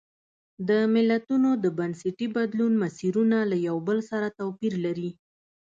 د ملتونو د بنسټي بدلون مسیرونه له یو بل سره توپیر لري.